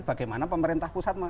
bagaimana pemerintah pusat